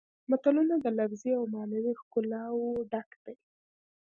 متلونه د لفظي او معنوي ښکلاوو ډک دي